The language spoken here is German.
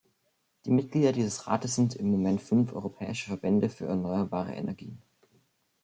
Die Mitglieder dieses Rates sind im Moment fünf europäische Verbände für erneuerbare Energien.